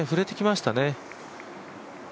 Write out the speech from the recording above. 振れてきましたね。